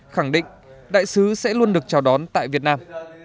khẳng định đại sứ sẽ luôn được chào đón tại việt nam